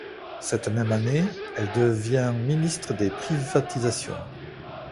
Cette même année, elle devient ministre des Privatisations.